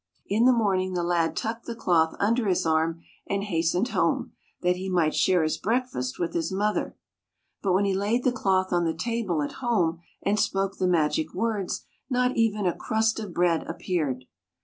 In the morning the lad tucked the cloth under his arm and hastened home, that he might share his breakfast with his mother. But when he laid the cloth on the table at home and spoke the magic words, not even a crust of bread appeared.